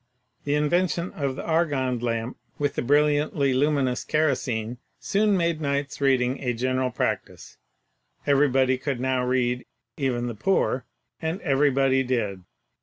The invention of the argand lamp, THE SOURCES OF LIGHT 71 with the brilliantly luminous kerosene, soon made nights' reading a general practice. Everybody could now read — even the poor — and everybody did.